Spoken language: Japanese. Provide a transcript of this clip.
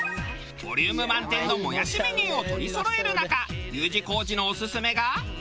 ボリューム満点のもやしメニューを取りそろえる中Ｕ字工事のオススメが。